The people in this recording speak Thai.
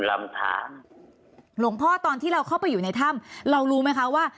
หลวงพ่อตอนที่เราเข้าไปอยู่ในถ้ำเรารู้ไหมคะว่า